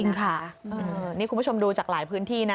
ค่ะนี่คุณผู้ชมดูจากหลายพื้นที่นะ